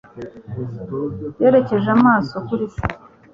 Yerekeje amaso kuri se.